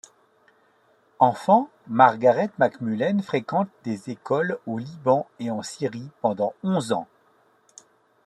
Enfant, Margaret McMullen fréquente des écoles au Liban et en Syrie pendant onze ans.